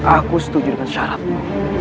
aku setuju dengan syaratmu